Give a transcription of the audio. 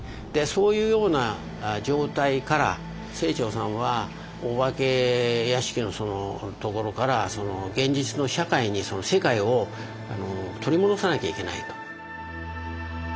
そういうような状態から清張さんはお化け屋敷のところから現実の社会に世界を取り戻さなきゃいけないと。